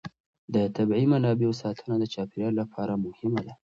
د طبیعي منابعو ساتنه د چاپېر یال لپاره مهمه ده.